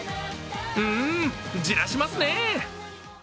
ん、じらしますね！